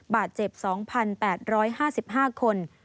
บาดเจ็บ๒๘๕๕คน